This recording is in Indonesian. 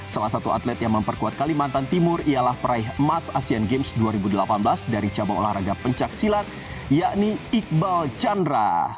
salah satu atlet yang memperkuat kalimantan timur ialah peraih emas asean games dua ribu delapan belas dari cabang olahraga pencaksilat yakni iqbal chandra